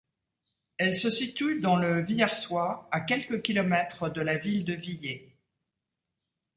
Elle se situe dans le Vihiersois, à quelques kilomètres de la ville de Vihiers.